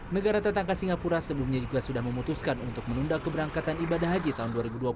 negara tetangga singapura sebelumnya juga sudah memutuskan untuk menunda keberangkatan ibadah haji tahun dua ribu dua puluh